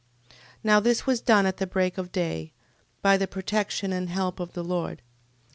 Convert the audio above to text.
13:17. Now this was done at the break of day, by the protection and help of the Lord.